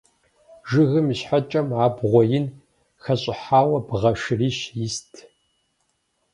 Жыгым и щхьэкӏэм абгъуэ ин хэщӏыхьауэ бгъэ шырищ ист.